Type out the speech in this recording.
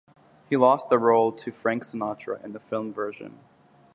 He lost the role to Frank Sinatra in the film version.